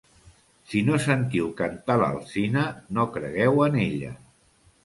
Si no sentiu cantar l'alzina, no cregueu en ella.